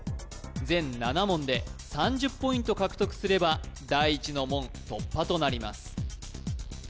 全７問で３０ポイント獲得すれば第一の門突破となります